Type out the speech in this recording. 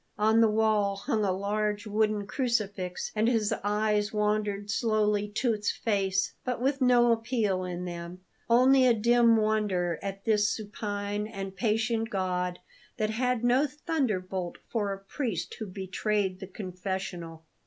On the wall hung a large wooden crucifix; and his eyes wandered slowly to its face; but with no appeal in them, only a dim wonder at this supine and patient God that had no thunderbolt for a priest who betrayed the confessional.